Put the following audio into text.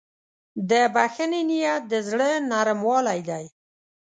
د بښنې نیت د زړه نرموالی دی.